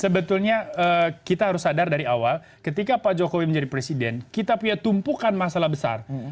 sebetulnya kita harus sadar dari awal ketika pak jokowi menjadi presiden kita punya tumpukan masalah besar